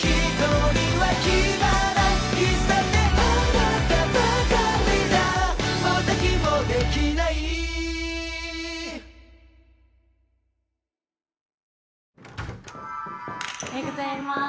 おはようございます。